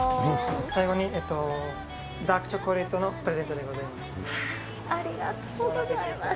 最後にダークチョコレートのありがとうございます。